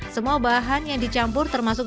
semua bahan yang dicampur termasuk